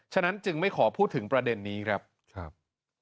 ฉะนั้นจึงไม่ขอพูดถึงประเด็นนี้ครับ